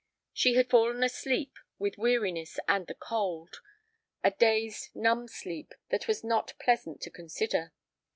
She had fallen asleep with weariness and the cold—a dazed, numb sleep that was not pleasant to consider.